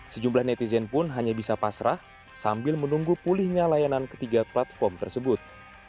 sejumlah netizen pun hanya bisa pasrah sambil menunggu pulihnya layanan ketiga platform tersebut